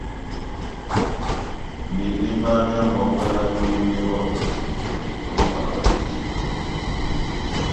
Meléma myá ngwangwalani méwɔtɔseni o ibambwa beduka.